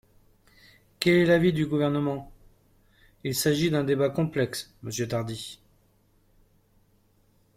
Quel est l’avis du Gouvernement ? Il s’agit d’un débat complexe, monsieur Tardy.